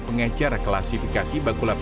pengejar klasifikasi bagulannya